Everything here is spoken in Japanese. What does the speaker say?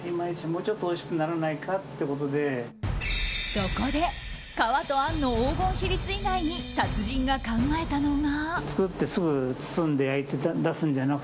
そこで皮とあんの黄金比率以外に達人が考えたのが。